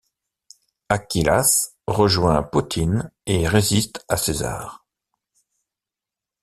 Achillas, rejoint Pothin et résiste à César.